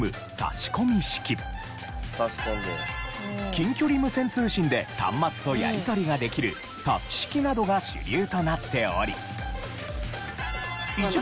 近距離無線通信で端末とやり取りができるタッチ式などが主流となっており。